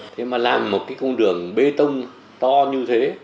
thế mà làm một cái con đường bê tông to như thế